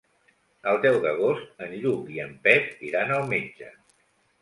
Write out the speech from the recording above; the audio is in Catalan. El deu d'agost en Lluc i en Pep iran al metge.